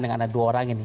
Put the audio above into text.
dengan ada dua orang ini